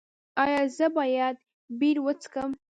ایا زه باید بیر وڅښم؟